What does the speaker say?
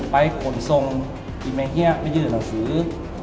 ไปขนทรงที่แม่เฮียกไปยืนหนังสือ